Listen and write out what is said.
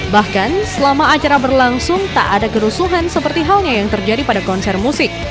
bahkan selama acara berlangsung tak ada kerusuhan seperti halnya yang terjadi pada konser musik